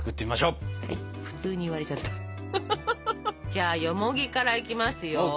じゃあよもぎからいきますよ。